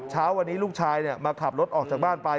เช้าวันนี้ลูกชายมาขับรถออกจากบ้านไป